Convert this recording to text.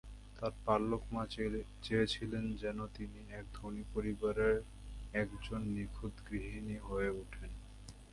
তার পালক মা চেয়েছিলেন যেন তিনি এক ধনী পরিবারে একজন নিখুঁত গৃহিণী হয়ে ওঠেন।